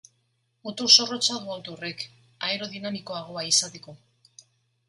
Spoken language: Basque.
Mutur zorrotza du auto horrek aerodinamikoagoa izateko.